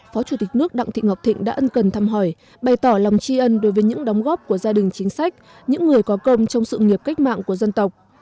phó chủ tịch nước đặng thị ngọc thịnh đã ân cần thăm hỏi bày tỏ lòng tri ân đối với những đóng góp của gia đình chính sách những người có công trong sự nghiệp cách mạng của dân tộc